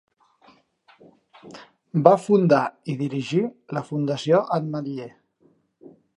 Va fundar i dirigir la Fundació Ametller.